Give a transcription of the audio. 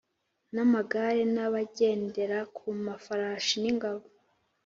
N amagare n abagendera ku mafarashi n ingabo